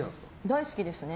大好きですね。